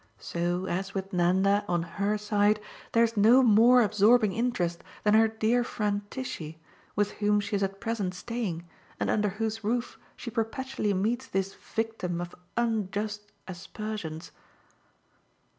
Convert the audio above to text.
So, as with Nanda, on HER side, there's no more absorbing interest than her dear friend Tishy, with whom she's at present staying and under whose roof she perpetually meets this victim of unjust aspersions